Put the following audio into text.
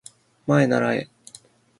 まえならえ